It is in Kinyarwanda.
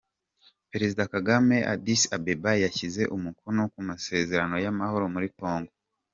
Perezida Kagame i Addis Abeba yashyize umukono ku masezerano y’amahoro muri Congo